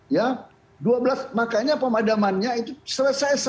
ya dua belas makanya pemadamannya itu selesai satu setengah jam